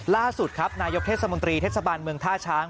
ล่าสุดครับนายกเทศมนตรีเทศบาลเมืองท่าช้าง